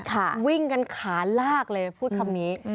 วิ่งกันขาลากเลยพูดคำนี้